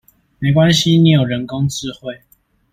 沒關係你有人工智慧